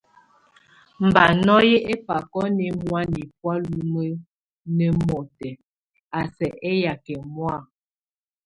Mba nɔ́ye ebakó nemɔa nɛbɔ́a lúmuenemɔtɛk, a sɛk éyak emɔ́a.